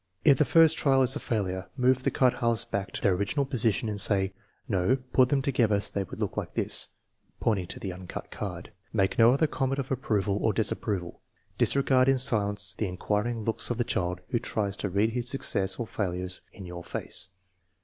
If the first trial is a failure, move the cut halves back to their original position and say: " No; put them together so they will look like this " (pointing to the uncut card). Make no other comment of approval or dis approval. Disregard in silence the inquiring looks of the child who tries to read his success or failure in your face.